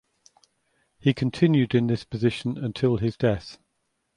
He continued in this position until his death.